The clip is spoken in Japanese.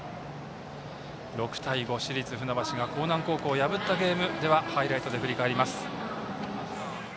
６対５、市立船橋が興南高校を破ったゲームハイライトで振り返ります。